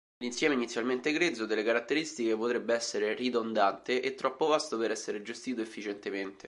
L'insieme—inizialmente grezzo—delle caratteristiche potrebbe essere ridondante e troppo vasto per essere gestito efficientemente.